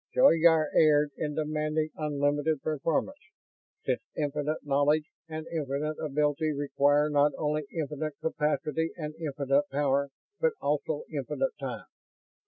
"Zoyar erred in demanding unlimited performance, since infinite knowledge and infinite ability require not only infinite capacity and infinite power, but also infinite time.